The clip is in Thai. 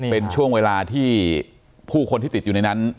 เป็นช่วงเวลาที่ผู้คนที่ติดอยู่ในนั้น